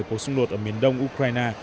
của xung đột ở miền đông ukraine